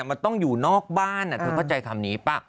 มันต้องอยู่นอกบ้านเธอเข้าใจคำนี้ป่ะ